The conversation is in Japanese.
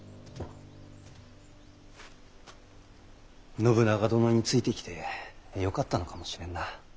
信長殿についてきてよかったのかもしれんな。